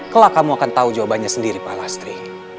kela kamu akan tahu jawabannya sendiri pak lastri